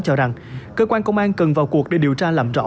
cho rằng cơ quan công an cần vào cuộc để điều tra làm rõ